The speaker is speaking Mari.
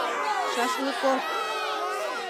— Шашлыков!